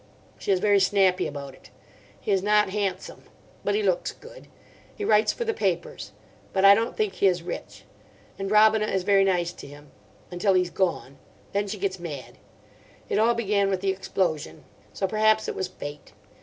She is very snappy about it. He is not handsome. But he looks good. He writes for the papers. But I don't think he is rich. And Robina is very nice to him. Until he's gone. Then she gets mad. It all began with the explosion. So perhaps it was fate.